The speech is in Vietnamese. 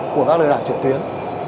của các lừa đảo truyền tuyến